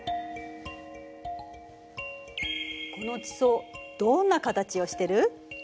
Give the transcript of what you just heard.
この地層どんな形をしてる？